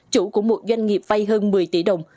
chủ của một doanh nghiệp vay hơn một mươi tỷ đồng